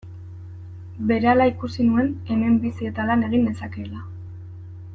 Berehala ikusi nuen hemen bizi eta lan egin nezakeela.